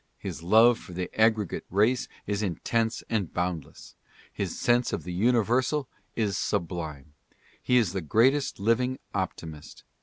His love for the aggregate race is intense and boundless. His sense of the universal is sublime. He is the greatest living optimist.